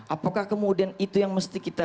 apakah kemudian itu yang mesti kita